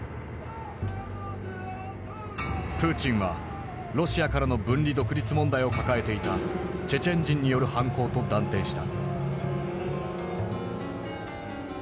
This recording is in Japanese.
プーチンはロシアからの分離独立問題を抱えていたチェチェン人による犯行と断定した。